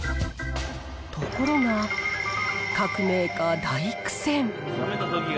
ところが、各メーカー大苦戦。